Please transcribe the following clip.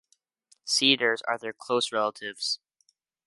Cedars are their close relatives.